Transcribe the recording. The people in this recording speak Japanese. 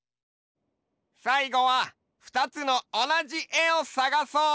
さいごはふたつのおなじえをさがそう！